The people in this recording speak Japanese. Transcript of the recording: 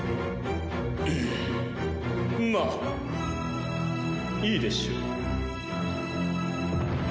うんまあいいでしょう。